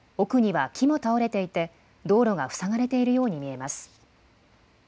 奥には木も倒れていて、道路が塞がれているように見えます。